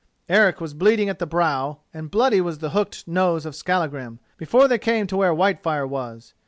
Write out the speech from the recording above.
Eric was bleeding at the brow, and bloody was the hooked nose of Skallagrim, before they came to where Whitefire was.